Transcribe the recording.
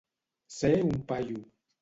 Ser un paio.